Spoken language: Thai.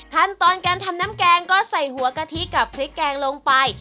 ขั้นตอนการทำน้ำแกงก็ใส่หัวกะทิกับพริกแกงลงไป